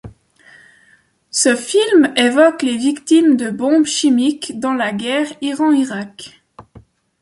Ce film évoque les victimes de bombes chimiques dans la guerre Iran-Irak.